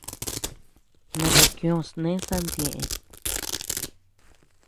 No bokioo sné santieʼe.